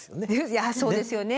いやそうですよね。